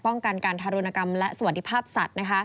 ป้องกันการทารุณกรรมและสวัสดีภาพสัตว์